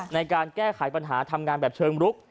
ในการแก้ไขปัญหาทำงานแบบเชิงรุก